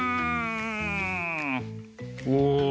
お！